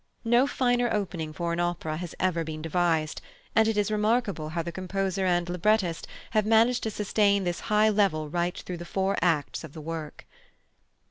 No finer opening for an opera has ever been devised, and it is remarkable how the composer and librettist have managed to sustain this high level right through the four acts of the work.